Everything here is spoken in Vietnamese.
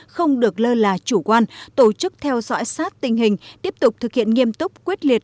không được lơ là chủ quan tổ chức theo dõi sát tình hình tiếp tục thực hiện nghiêm túc quyết liệt